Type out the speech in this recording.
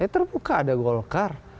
terbuka ada golkar